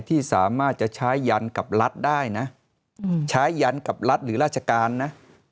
ที่สามารถจะใช้ยันกับรัฐได้นะใช้ยันกับรัฐหรือราชการนะ